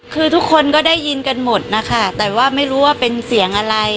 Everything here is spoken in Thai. คือทุกคนก็ได้ยินกันหมดนะคะแต่ว่าไม่รู้ว่าเป็นเสียงอะไร